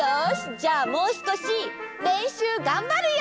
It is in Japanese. じゃあもうすこしれんしゅうがんばるよ！